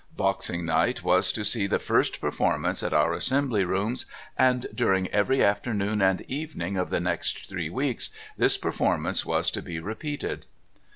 Boxing Night was to see the first performance at our Assembly Rooms, and during every afternoon and evening of the next three weeks this performance was to be repeated.